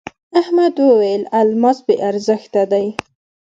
احمد وويل: الماس بې ارزښته دی.